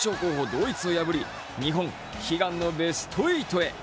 ドイツを破り日本、悲願のベスト８へ。